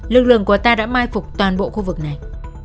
lực lượng của ta đã mai phục toàn bộ khu vực này